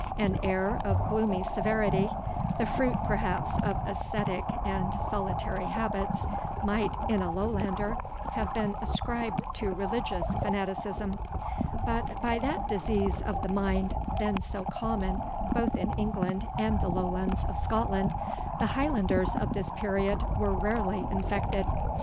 An air of gloomy severity, the fruit perhaps of ascetic and solitary habits, might, in a Lowlander, have been ascribed to religious fanaticism; but by that disease of the mind, then so common both in England and the Lowlands of Scotland, the Highlanders of this period were rarely infected.